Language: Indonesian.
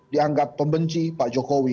dianggap pembenci pak jokowi